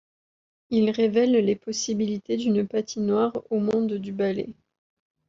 Il révèle les possibilités d'une patinoire au monde du ballet.